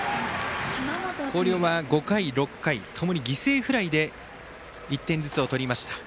広陵は５回、６回ともに犠牲フライで１点ずつを取りました。